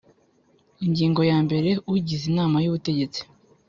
Ingingo ya mbere Ugize inama y ubutegetsi